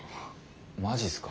マジっすか。